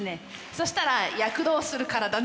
そしたら「躍動する体」ね。